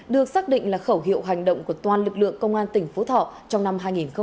được xác định là khẩu hiệu hành động của toàn lực lượng công an tỉnh phú thọ trong năm hai nghìn hai mươi ba